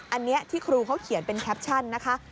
อันนี้ที่ครูเขาเขียนเป็นแคปชั่นนะคะ